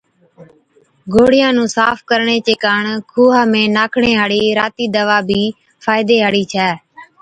گوڙهِِيان نُون صاف ڪرڻي چي ڪاڻ کُوها ۾ ناکڻي هاڙِي راتِي دَوا بِي فائدي هاڙِي ڇَي